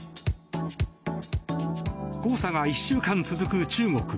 黄砂が１週間続く中国。